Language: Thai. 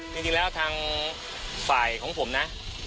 จริงแล้วทางฝ่ายของผมนะ